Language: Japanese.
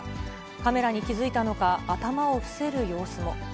カメラに気付いたのか、頭を伏せる様子も。